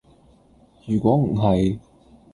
如果唔係